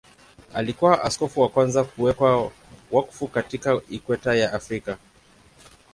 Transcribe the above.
Alikuwa askofu wa kwanza kuwekwa wakfu katika Ikweta ya Afrika.